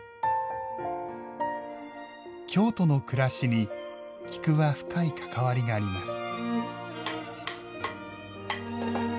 京都の暮らしに菊は深いかかわりがあります。